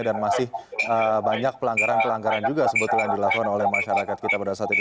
dan masih banyak pelanggaran pelanggaran juga sebetulnya dilakukan oleh masyarakat kita pada saat ini